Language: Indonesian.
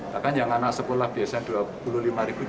bahkan yang anak sekolah biasanya rp dua puluh lima jadi rp lima